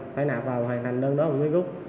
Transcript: phải nạp vào hoàn thành đơn đó một cái gúc